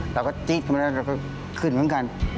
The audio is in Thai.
เราก็จี๊บขึ้นขึ้นขึ้น